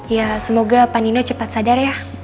ya semoga pak nino cepat sadar ya